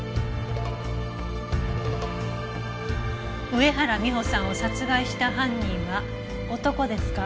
上原美帆さんを殺害した犯人は男ですか。